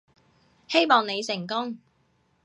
希望你成功